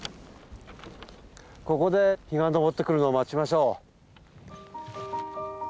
ここで日が昇ってくるのを待ちましょう。